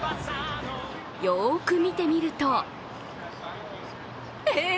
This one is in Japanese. よく見てみると、えっ？